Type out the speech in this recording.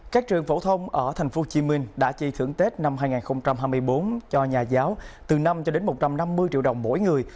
các trường phổ thông ở tp hcm đã chi thưởng tết năm hai nghìn hai mươi bốn cho nhà giáo từ năm cho đến một trăm năm mươi triệu đồng mỗi người